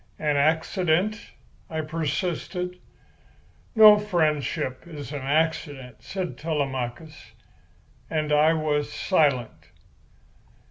"An accident?" I persisted. "No friendship is an accident," said Telemachus; and I was silent.